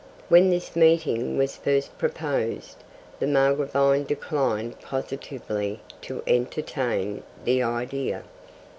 When this meeting was first proposed, the Margravine declined positively to entertain the idea.